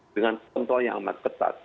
dengan contoh yang amat ketat